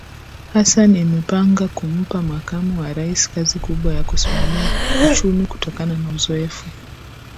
Hassan imepanga kumpa Makamu wa Rais kazi kubwa ya kusimamia uchumiKutokana na uzoefu